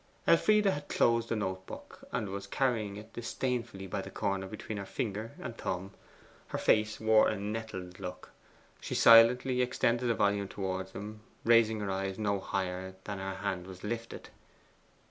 Elfride had closed the note book, and was carrying it disdainfully by the corner between her finger and thumb; her face wore a nettled look. She silently extended the volume towards him, raising her eyes no higher than her hand was lifted.